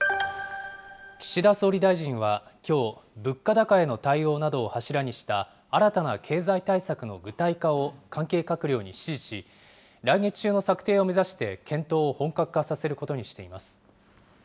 岸田総理大臣はきょう、物価高への対応などを柱にした新たな経済対策の具体化を関係閣僚に指示し、来月中の策定を目指して検討を本格化させることにしています。